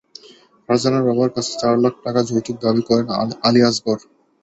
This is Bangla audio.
ফারজানার বাবার কাছে চার লাখ টাকা যৌতুক দাবি করেন আলী আজগর।